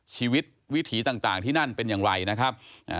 วิถีต่างที่นั่นเป็นอย่างไรนะครับ